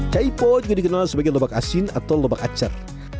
kaipo juga dikenal sebagai lobak asin atau lobak acer